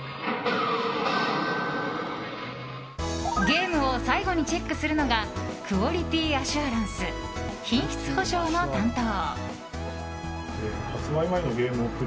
ゲームを最後にチェックするのがクオリティーアシュアランス品質保証の担当。